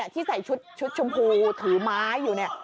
ที่ใส่ชุดชมพูถือไม้อยู่เนี่ย